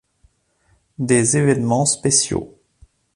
Des événements spéciaux.